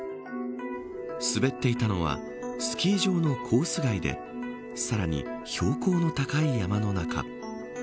滑っていたのはスキー場のコース外でさらに標高の高い山の中。